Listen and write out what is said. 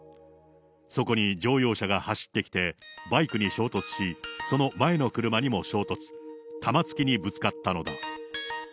そこに乗用車が走ってきて、バイクに衝突し、その前の車にも衝突、玉突きにぶつかったのだ。